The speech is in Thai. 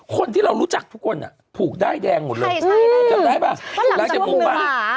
คนที่เรารู้จักทุกคนภูกใดแดงหมดเลยมันหลังจากนิวะ